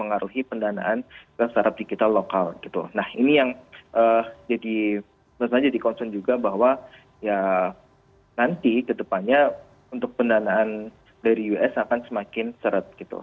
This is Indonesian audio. nah ini yang jadi concern juga bahwa ya nanti kedepannya untuk pendanaan dari us akan semakin seret gitu